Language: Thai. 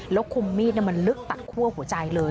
แล้วคุมมีดมันลึกตัดคั่วหัวใจเลย